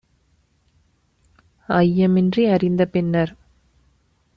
ஐய மின்றி அறிந்த பின்னர்